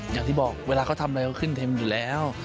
อย่างที่บอกเวลาเขาทำอะไรเขาขึ้นเทมอยู่แล้ว